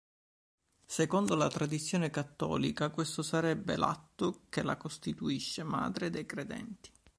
Secondo la tradizione cattolica questo sarebbe l'atto che la costituisce Madre dei credenti.